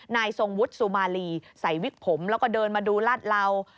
นายทรงวุฒิสุมารีใส่วิกผมแล้วก็เดินมาดูลาดเหลา